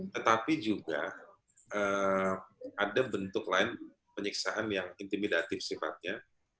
tetapi juga ada bentuk lain penyiksaan yang intimidatif sifatnya